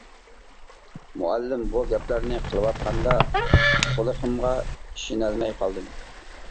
مۇئەللىم بۇ گەپلەرنى قىلىۋاتقاندا قۇلىقىمغا ئىشىنەلمەي قالدىم.